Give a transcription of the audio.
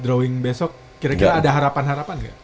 drawing besok kira kira ada harapan harapan nggak